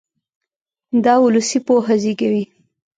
دا اولسي پوهه زېږوي.